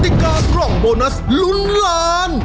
ติกากล่องโบนัสลุ้นล้าน